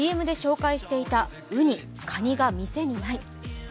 ＣＭで紹介していたうに、かにが店にない。